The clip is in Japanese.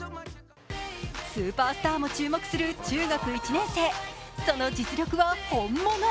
スーパースターも注目する中学１年生、その実力は本物。